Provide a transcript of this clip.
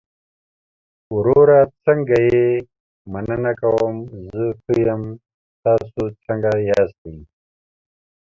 وروره څنګه يې؟ مننه کوم، زه ښۀ يم، تاسو څنګه ياستى؟